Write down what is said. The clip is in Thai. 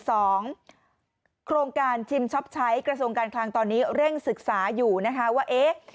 โครงการชิมช็อปใช้กระทรวงการคลังตอนนี้เร่งศึกษาอยู่นะคะว่าเอ๊ะ